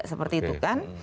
seperti itu kan